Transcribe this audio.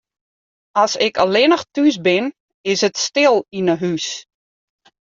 As ik allinnich thús bin, is it stil yn 'e hús.